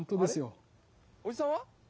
おじさんは？